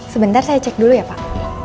sebentar saya cek dulu ya pak